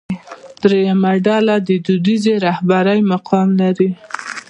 درېیمه ډله د دودیزې رهبرۍ مقام لري.